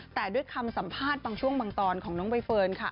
แต่ด้วยคำสัมภาษณ์บางช่วงบางตอนของน้องใบเฟิร์นค่ะ